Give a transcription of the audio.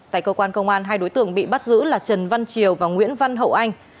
tại cơ quan công an hai đối tượng bị bắt giữ là trần văn triều và nguyễn văn hậu anh